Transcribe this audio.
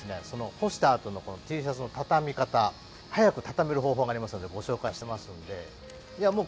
その干したあとのこのＴシャツのたたみ方早くたためる方法がありますのでご紹介してますのでいや